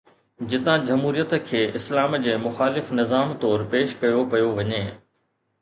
جتان جمهوريت کي اسلام جي مخالف نظام طور پيش ڪيو پيو وڃي.